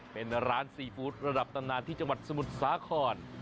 เป็นร้านซีฟู้ดระดับตำนานที่จังหวัดสมุทรสาคร